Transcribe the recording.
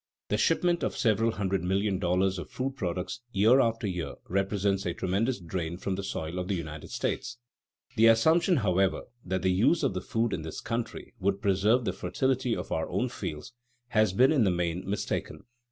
The shipment of several hundred million dollars of food products year after year represents a tremendous drain from the soil of the United States. The assumption, however, that the use of the food in this country would preserve the fertility of our own fields has been in the main mistaken.